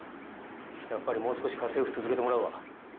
やっぱりもう少し家政婦続けてもらうわ。